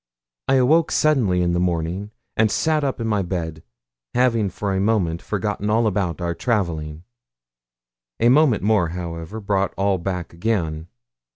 I awoke suddenly in the morning, and sat up in my bed, having for a moment forgotten all about our travelling. A moment more, however, brought all back again.